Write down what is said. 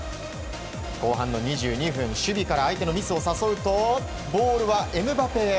後半の２２分守備から相手のミスを誘うとボールはエムバペへ。